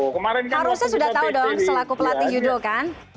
harusnya sudah tahu dong selaku pelatih yudho kan